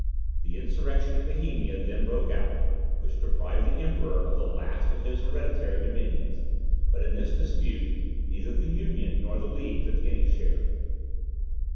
The insurrection in Bohemia then broke out, which deprived the Emperor of the last of his hereditary dominions, but in this dispute neither the Union nor the League took any share.